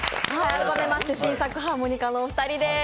改めまして、新作のハーモニカのお二人です。